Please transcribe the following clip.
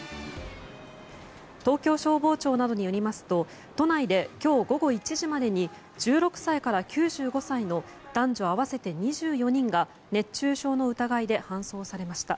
東京消防庁などによりますと都内で今日午後１時までに１６歳から９５歳の男女合わせて２４人が熱中症の疑いで搬送されました。